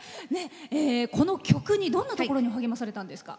この曲にどんなところに励まされたんですか？